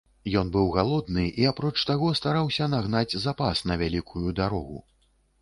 Ён быў галодны і, апроч таго, стараўся нагнаць запас на вялікую дарогу.